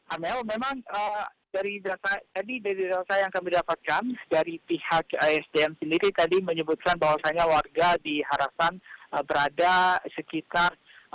amel memang dari data yang kami dapatkan dari pihak isdm sendiri tadi menyebutkan bahwasannya warga di harapan berada sekitar lima km